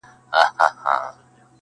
د خټین او د واورین سړک پر غاړه؛!